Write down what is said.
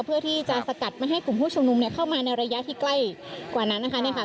เพื่อจะสกัดให้กลุ่มผู้ชมนุมเข้าไปในระยะที่ใกล้กว่านั้นนะคะ